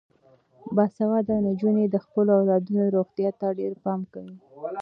باسواده نجونې د خپلو اولادونو روغتیا ته ډیر پام کوي.